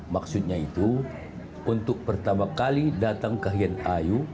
maksudnya itu untuk pertama kali datang kahiyang ayu